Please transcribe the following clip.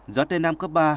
gió tây nam cấp ba